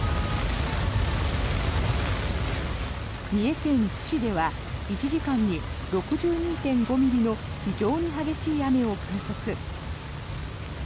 三重県津市では１時間に６２．５ミリの非常に激しい雨を観測。